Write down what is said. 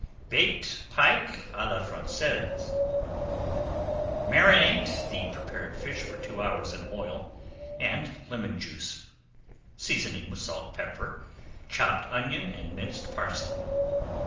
BAKED PIKE À LA FRANÇAISE Marinate the prepared fish for two hours in oil and lemon juice, seasoning with salt, pepper, chopped onion, and minced parsley.